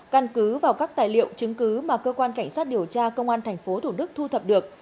căn cứ vào các tài liệu chứng cứ mà cơ quan cảnh sát điều tra công an tp thủ đức thu thập được